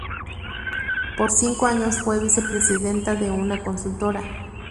Por cinco años fue vicepresidenta de una consultora.